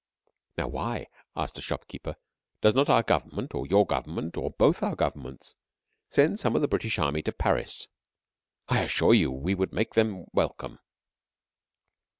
"Now why," asked a shopkeeper, "does not our Government, or your Government, or both our Governments, send some of the British Army to Paris? I assure you we should make them welcome."